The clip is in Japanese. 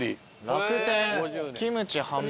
楽天キムチ販売。